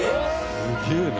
すげえな。